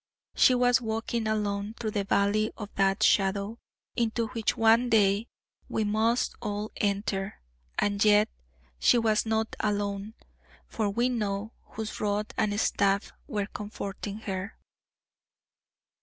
She was walking, alone, through the valley of that shadow, into which one day we must all enter and yet she was not alone, for we know whose rod and staff were comforting her.